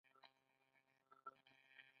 د شینوارو دره ښکلې ده